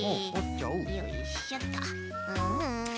よいしょっと。